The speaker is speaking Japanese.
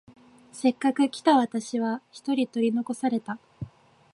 せっかく来た私は一人取り残された。